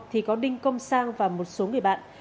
thì có đinh công sang và một số người bạn